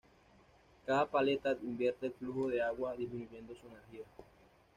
Cada paleta invierte el flujo de agua, disminuyendo su energía.